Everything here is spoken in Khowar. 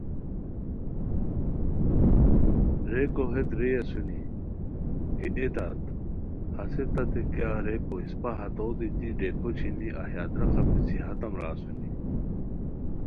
ریکو ہیت رے اسونی کی اے تت ہسے تتے کیہ ریکو اسپہ ہتو دیتی ڈیکو چھینی اہی ادرخہ پیڅھی ہاتام را اسونی